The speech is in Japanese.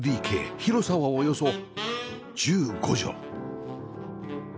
広さはおよそ１５畳